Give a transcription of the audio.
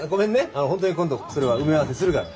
あの本当に今度それは埋め合わせするから。